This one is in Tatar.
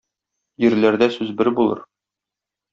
Ирләрдә сүз бер булыр.